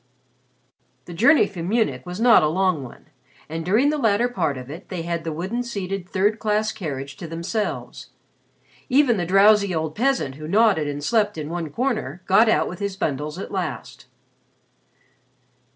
The journey from Munich was not a long one, and during the latter part of it they had the wooden seated third class carriage to themselves. Even the drowsy old peasant who nodded and slept in one corner got out with his bundles at last.